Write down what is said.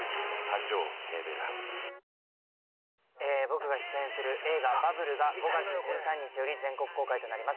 僕が出演する映画『バブル』が５月１３日より全国公開となります。